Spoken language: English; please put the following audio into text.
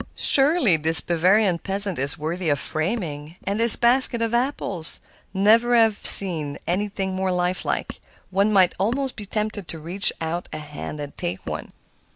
"Surely, this Bavarian peasant is worthy of framing; and this basket of apples! never have I seen anything more lifelike. One might almost be tempted to reach out a hand and take one."